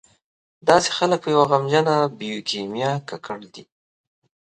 داسې خلک په یوه غمجنه بیوکیمیا ککړ دي.